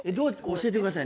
教えてください